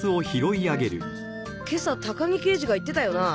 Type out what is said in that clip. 今朝高木刑事が言ってたよな？